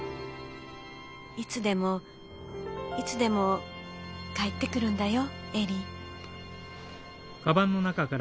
いつでもいつでも帰ってくるんだよ恵里」。